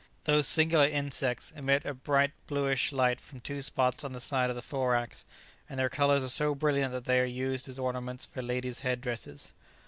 Those singular insects emit a bright bluish light from two spots on the side of the thorax, and their colours are so brilliant that they are used as ornaments for ladies' headdresses.